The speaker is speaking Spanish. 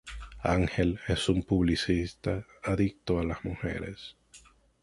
Ángel es un publicista adicto a las mujeres.